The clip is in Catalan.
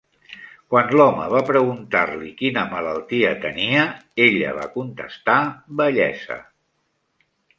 Quan l'home va preguntar-li quina malaltia tenia, ella va contestar: "vellesa".